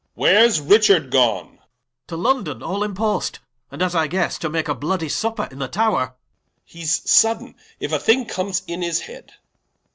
Where's Richard gone Cla. To London all in post, and as I guesse, To make a bloody Supper in the Tower Ed. He's sodaine if a thing comes in his head.